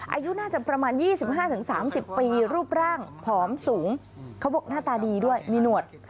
อายุน่าจะประมาณ๒๕๓๐ปีรูปร่างผอมสูงเขาบอกหน้าตาดีด้วยมีหนวด